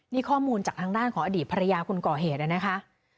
นี่ข้อมูลจากทางด้านของอดีตภรรยาคนก่อเหตุนะคะ